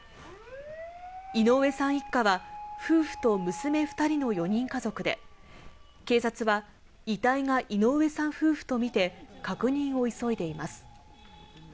井上さん一家は夫婦と娘２人の４人家族で、警察は遺体が井上さん夫婦とみて確認を急いでいます。